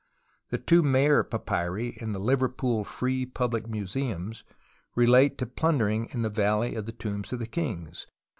The two Mayer papyri in the Liverpool Free Public Museums relate to plundering in the Valley of the Tombs of the Kings.